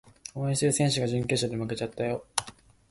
応援してる選手が準決勝で負けちゃったよ